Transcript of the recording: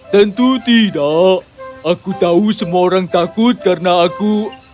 tentu tidak aku tahu semua orang takut karena aku